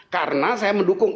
karena saya mendukung